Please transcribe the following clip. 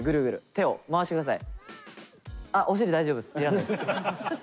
手を回してください。